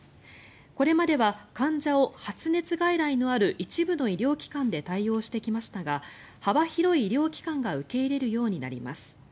これまでは患者を発熱外来のある一部の医療機関で対応してきましたが幅広い医療機関が受け入れるようになります。